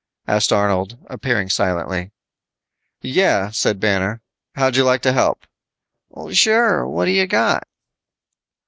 asked Arnold, appearing silently. "Yeah," said Banner, "how'd you like to help?" "Sure, what you got."